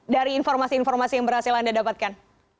dari informasi informasi yang berhasil anda dapatkan